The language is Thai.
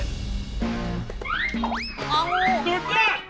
อองูว์สุดยอด